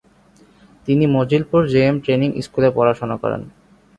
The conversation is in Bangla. তিনি মজিলপুর জে এম ট্রেনিং স্কুলে পড়াশুনা করেন।